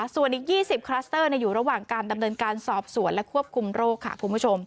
ส่วนอีก๒๐คลัสเตอร์อยู่ระหว่างการดำเนินการสอบสวนและควบคุมโรคค่ะคุณผู้ชม